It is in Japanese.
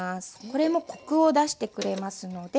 これもコクを出してくれますので。